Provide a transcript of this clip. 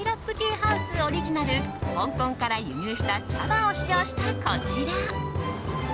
オリジナル香港から輸入した茶葉を使用したこちら。